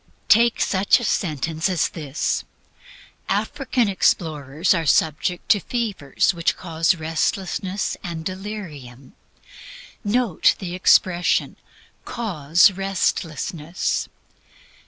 Take such a sentence as this: African explorers are subject to fevers which cause restlessness and delirium. Note the expression, "cause restlessness."